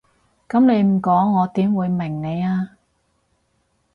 噉你唔講我點會明你啊？